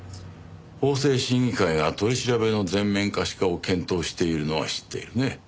法制審議会が取り調べの全面可視化を検討しているのは知っているね？